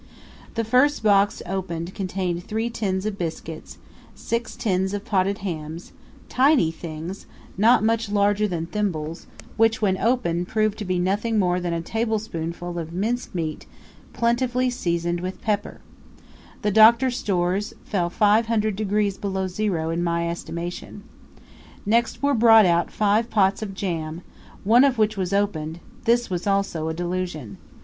The first box opened contained three tins of biscuits, six tins of potted hams tiny things, not much larger than thimbles, which, when opened, proved to be nothing more than a table spoonful of minced meat plentifully seasoned with pepper: the Doctor's stores fell five hundred degrees below zero in my estimation. Next were brought out five pots of jam, one of which was opened this was also a delusion.